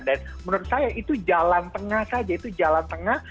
dan menurut saya itu jalan tengah saja itu jalan tengah